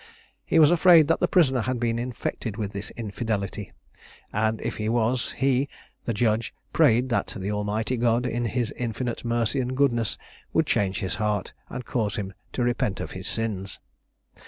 He was afraid that the prisoner had been infected with this infidelity; and if he was, he (the judge) prayed that the Almighty God, in his infinite mercy and goodness, would change his heart, and cause him to repent of his sins.